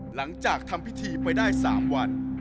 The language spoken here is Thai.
หลังจากทำพิธีไปได้๓วัน